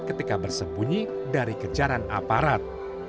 ketika bersembunyi dari kejaran aparat